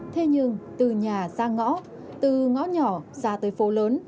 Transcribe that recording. thế nhưng từ nhà ra ngõ từ ngõ nhỏ ra tới phố lớn